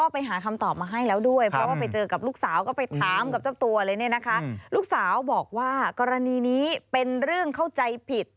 เป็นเรื่องเข้าใจผิด